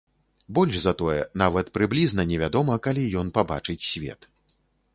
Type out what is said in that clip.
Больш за тое, нават прыблізна невядома, калі ён пабачыць свет.